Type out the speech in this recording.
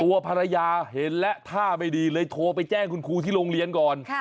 ตัวภรรยาเห็นและท่าไม่ดีเลยโทรไปแจ้งคุณครูที่โรงเรียนก่อน